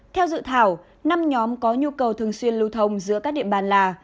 theo dự thảo năm nhóm có nhu cầu thường xuyên lưu thông giữa các địa bàn là